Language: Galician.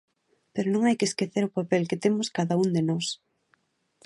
Pero non hai que esquecer o papel que temos cada un de nós.